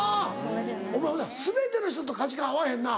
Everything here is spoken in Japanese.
お前ほんなら全ての人と価値観合わへんな。